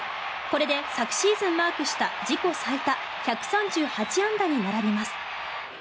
これで昨シーズンマークした自己最多１３８安打に並びます。